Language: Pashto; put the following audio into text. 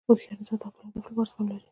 هوښیار انسان د خپل هدف لپاره زغم لري.